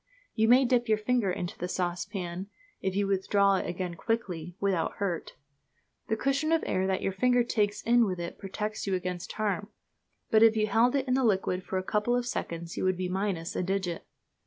You may dip your finger into the saucepan if you withdraw it again quickly without hurt. The cushion of air that your finger takes in with it protects you against harm for a moment. But if you held it in the liquid for a couple of seconds you would be minus a digit.